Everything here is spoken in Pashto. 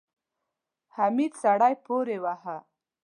حميد سړی پورې واهه.